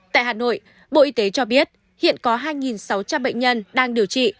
tại hà nội bộ y tế cho biết hiện có hai sáu trăm linh bệnh nhân đang điều trị